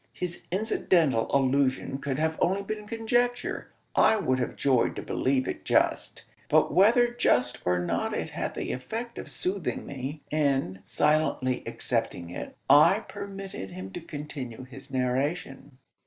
His incidental allusion could have been only conjecture. I would have joyed to believe it just; but whether just or not it had the effect of soothing me; and, silently accepting it, I permitted him to continue his narration.